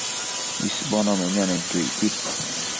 isbono nemianenquio icquid